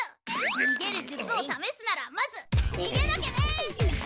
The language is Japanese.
逃げる術をためすならまず逃げなきゃね！